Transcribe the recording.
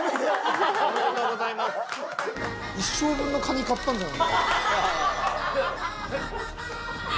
一生分のカニ買ったんじゃない？